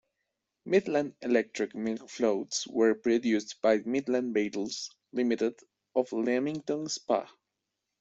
Midland Electric milk floats were produced by Midland Vehicles Limited of Leamington Spa.